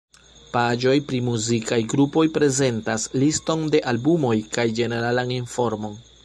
Paĝoj pri muzikaj grupoj prezentas liston de albumoj kaj ĝeneralan informon.